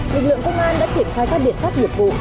lực lượng công an đã triển khai các biện pháp nghiệp vụ